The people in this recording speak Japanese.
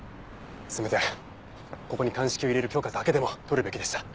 せめてここに鑑識を入れる許可だけでも取るべきでした。